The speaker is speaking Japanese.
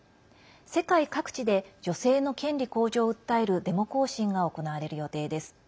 世界各地で女性の権利向上を訴えるデモ行進が行われる予定です。